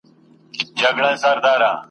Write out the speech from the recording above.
جاهل اولسه کور دي خراب دی ..